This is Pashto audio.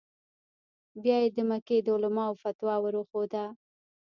بیا یې د مکې د علماوو فتوا ور وښوده.